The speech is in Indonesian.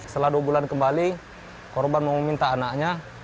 setelah dua bulan kembali korban mau meminta anaknya